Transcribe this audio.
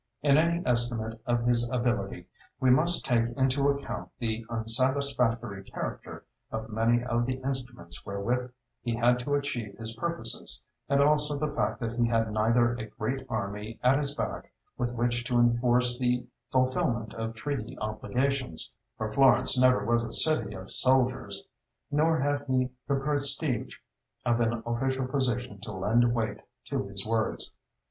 In any estimate of his ability we must take into account the unsatisfactory character of many of the instruments wherewith he had to achieve his purposes, and also the fact that he had neither a great army at his back with which to enforce the fulfilment of treaty obligations for Florence never was a city of soldiers nor had he the prestige of an official position to lend weight to his words.